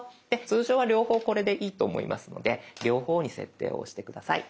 通常は両方これでいいと思いますので両方に設定を押して下さい。